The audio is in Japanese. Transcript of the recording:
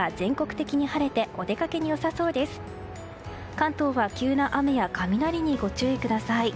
関東は急な雨や雷にご注意ください。